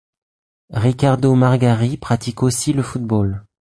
Ricardo Margarit pratique aussi le football.